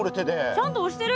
ちゃんとおしてる？